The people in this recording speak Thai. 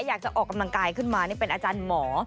อยากจะออกกำลังกายขึ้นมานี่เป็นอาจารย์หมอ